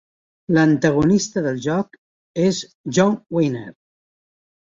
L'antagonista del joc és John Winner.